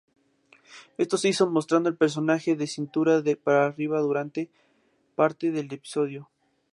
Esto se hizo mostrando al personaje de cintura para arriba durante parte del episodio.